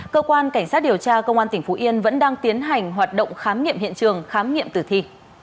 cơ quan cảnh sát điều tra công an tỉnh phú yên vẫn đang tiến hành hoạt động khám nghiệm hiện trường khám nghiệm tử thi